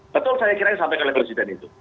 betul saya kira sampai kelepasan itu